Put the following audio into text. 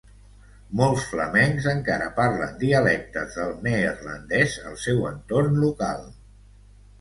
Molts flamencs encara parlen dialectes del neerlandès al seu entorn local.